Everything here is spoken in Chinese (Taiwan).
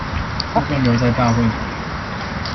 部分留在大會討論